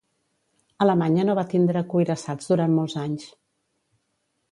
Alemanya no va tindre cuirassats durant molts anys.